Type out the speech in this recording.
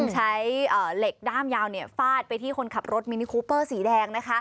ใช้เหล็กด้ามยาวฟาดไปที่คนขับรถมินิคูเปอร์สีแดงนะคะ